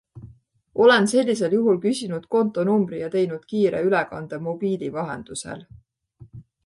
Olen sellisel juhul küsinud konto numbri ja teinud kiire ülekande mobiili vahendusel.